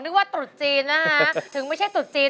ว่าตรุษจีนนะคะถึงไม่ใช่ตรุษจีน